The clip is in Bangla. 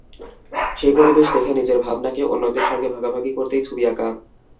সেই পরিবেশ দেখে নিজের ভাবনাকে অন্যদের সঙ্গে ভাগাভাগি করতেই ছবি আঁকা।